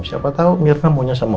siapa tau mirna maunya sama